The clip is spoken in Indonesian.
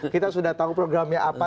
kita sudah tahu programnya apa